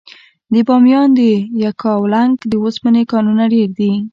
د بامیان د یکاولنګ د اوسپنې کانونه ډیر دي.